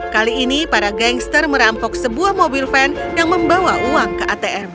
kali ini para gangster merampok sebuah mobil van yang membawa uang ke atm